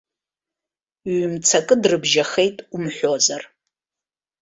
Ҩ-мцакы дрыбжьахеит умҳәозар.